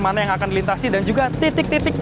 mana yang akan dilintasi dan juga titik titik